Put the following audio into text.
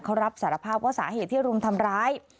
เขารับสารภาพว่าสาเหตุที่รุมทำร้าย